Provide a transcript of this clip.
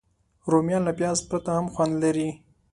رومیان له پیاز پرته هم خوند لري